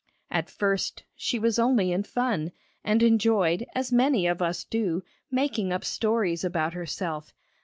At first she was only in fun, and enjoyed, as many of us do, making up stories about herself.